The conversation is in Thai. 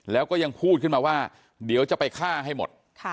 แล้วก็ยังพูดขึ้นมาว่าเดี๋ยวจะไปฆ่าให้หมด